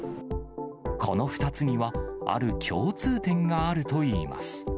この２つには、ある共通点があるといいます。